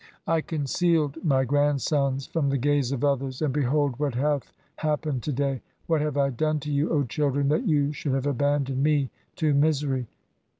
I concealed my grandsons from the gaze of others, and behold what hath happened to day ! What have I done to you, O children, that you should have abandoned me to misery